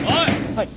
はい。